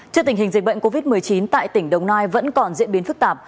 trước tình hình dịch bệnh covid một mươi chín tại tỉnh đồng nai vẫn còn diễn biến phức tạp